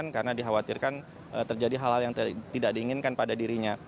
karena dikhawatirkan terjadi hal hal yang tidak diinginkan pada dirinya